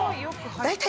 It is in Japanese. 大体。